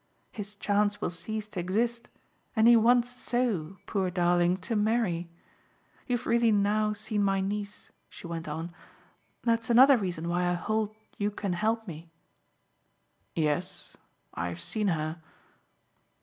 His chance will cease to exist, and he wants so, poor darling, to marry. You've really now seen my niece," she went on. "That's another reason why I hold you can help me." "Yes I've seen her."